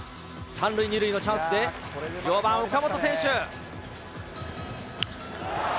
３塁２塁のチャンスで、４番岡本選手。